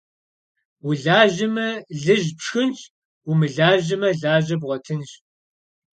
Vulajeme, lıj pşşxınş, vumılajame, laje bğuetınş.